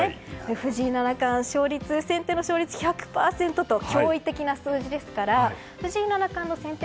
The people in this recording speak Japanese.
藤井七冠、先手の勝率１００％と驚異的な数字ですから藤井七冠の先手